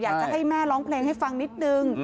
อยากจะให้แม่ร้องเพลงให้ฟังนิดนึง